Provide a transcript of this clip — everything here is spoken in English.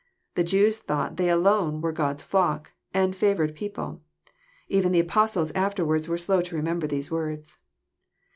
The Jews thought they alone were God's flock and favoured people. Even the apostles afterwards were slow to remember these words.